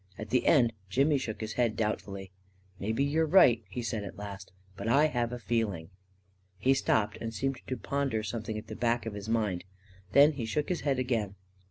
At the end, Jimmy shook his head doubtfully. "Maybe you're right," he said, at last; "but I have a feeling ..." He stopped and seemed to ponder something at the back of his mind. Then he shook his head again.